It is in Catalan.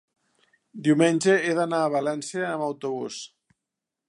Diumenge he d'anar a València amb autobús.